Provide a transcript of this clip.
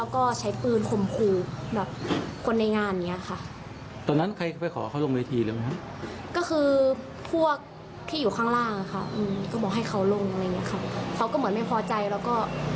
เขาก็เหมือนไม่พอใจแล้วก็